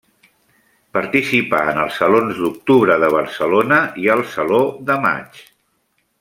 Participà en els Salons d'Octubre de Barcelona i al Saló de maig.